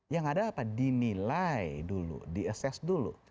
yang ada apa dinilai dulu di assess dulu